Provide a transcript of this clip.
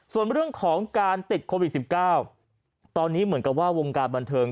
ส่วนเรื่องของการติดโควิด๑๙ตอนนี้เหมือนกับว่าวงการบันเทิง